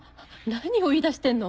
何を言いだしてんの。